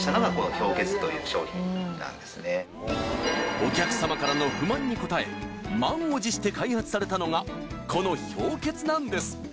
お客さまからの不満に応え満を持して開発されたのがこの氷結なんです